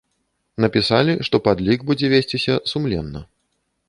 Напісалі, што падлік будзе весціся сумленна.